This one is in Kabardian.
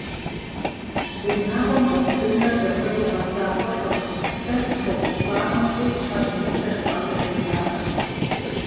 Зы унагъуэм щӀэс бынхэр зэхуэдэу гъэса хъуркъым, сэ схуэгупцӀанэу псори щхьэ щымытрэ жыпӀэныр делагъэщ.